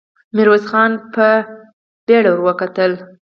ميرويس خان په بېړه ور وکتل.